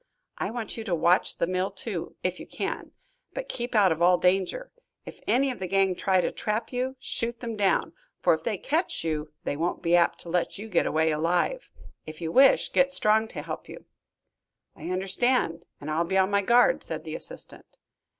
I want you to watch the mill, too, if you can. But keep out of all danger. If any of the gang try to trap you shoot them down, for if they catch you they won't be apt to let you get away alive. If you wish get Strong to help you." "I understand, and I'll be on my guard," said the assistant.